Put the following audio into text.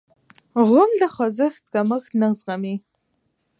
غول د خوځښت کمښت نه زغمي.